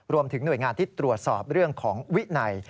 รวมถึงหน่วยงานที่ตรวจสอบเรื่องของวินัย